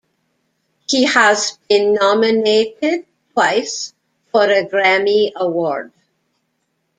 He has been nominated twice for a Grammy Award.